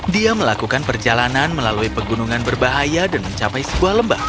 dia melakukan perjalanan melalui pegunungan berbahaya dan mencapai sebuah lembah